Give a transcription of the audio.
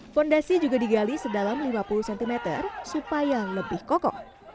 fondasi juga digali sedalam lima puluh cm supaya lebih kokoh